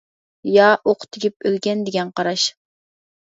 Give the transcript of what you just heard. يا ئوقى تېگىپ ئۆلگەن دېگەن قاراش.